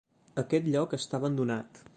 Aquest lloc està abandonat.